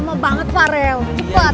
lama banget farel cepat